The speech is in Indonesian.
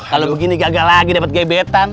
kalau begini kagak lagi dapet gebetan